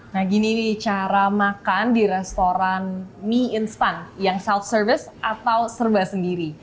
nah gini nih cara makan di restoran mie instan yang self service atau serba sendiri